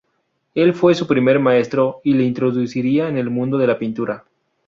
Él fue su primer maestro y le introduciría en el mundo de la pintura.